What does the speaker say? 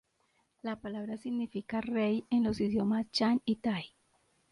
La palabra significa "rey" en los idiomas Shan y Tai.